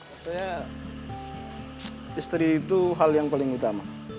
artinya istri itu hal yang paling utama